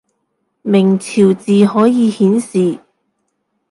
明朝字可以顯示